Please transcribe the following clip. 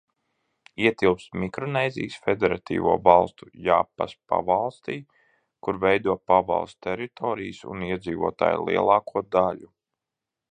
Ietilpst Mikronēzijas Federatīvo Valstu Japas pavalstī, kur veido pavalsts teritorijas un iedzīvotāju lielāko daļu.